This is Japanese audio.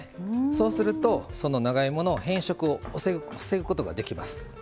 そうするとその長芋の変色を防ぐことができます。